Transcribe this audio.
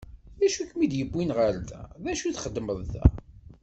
D acu i kem-id-yewwin ɣer da, d acu i txeddmeḍ da?